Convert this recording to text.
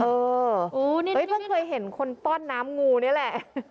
เพิ่งเคยเห็นคนป้อนน้ำงูนี่แหละ